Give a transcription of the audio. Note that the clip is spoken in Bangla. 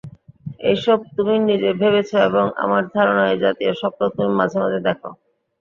এইসব তুমি নিজে ভেবেছ এবং আমার ধারণা এ জাতীয় স্বপ্ন তুমি মাঝে-মাঝে দেখ।